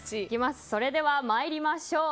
それでは参りましょう。